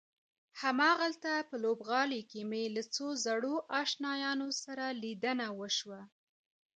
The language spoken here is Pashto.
هماغلته په لوبغالي کې مې له څو زړو آشنایانو سره لیدنه وشوه.